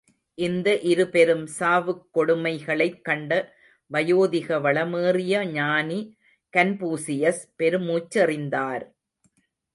◯ இந்த இரு பெரும் சாவுக் கொடுமைகளைக் கண்ட வயோதிக வளமேறிய ஞானி கன்பூசியஸ் பெருமூச்செறிந்தார்!